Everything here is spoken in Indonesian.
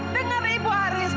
dengar ibu haris